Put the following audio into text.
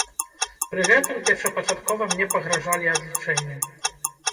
Пры гэтым першапачаткова мне пагражалі адлічэннем.